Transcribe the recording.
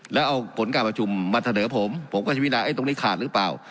แล้วเอาผลการประชุมมาเสนอผมผมก็จะวินาตรงนี้ขาดหรือเปล่า